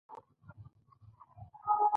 ایا ستاسو ملاتړ به پاتې نه شي؟